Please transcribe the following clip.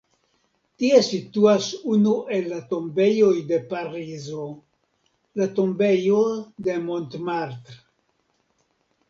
Tie situas unu el la tombejoj de Parizo, la tombejo de Montmartre.